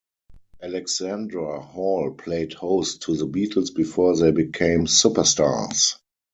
Alexandra Hall played host to The Beatles, before they became superstars.